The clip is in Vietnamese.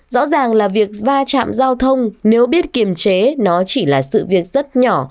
rõ ràng là việc va chạm giao thông nếu biết kiềm chế nó chỉ là sự việc rất nhỏ